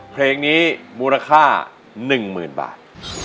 เพลงนี้มูลค่า๑หมื่นบาท